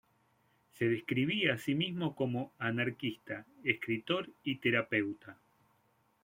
Se describía a sí mismo como "anarquista, escritor y terapeuta".